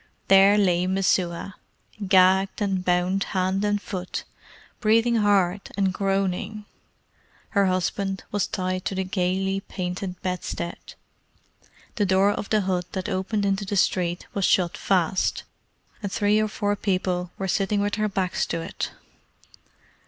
There lay Messua, gagged, and bound hand and foot, breathing hard, and groaning: her husband was tied to the gaily painted bedstead. The door of the hut that opened into the street was shut fast, and three or four people were sitting with their backs to it.